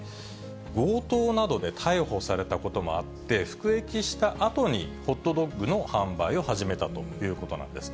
強盗などで逮捕されたこともあって、服役したあとに、ホットドッグの販売を始めたということなんです。